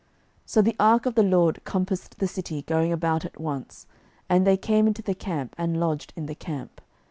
06:006:011 So the ark of the LORD compassed the city, going about it once: and they came into the camp, and lodged in the camp.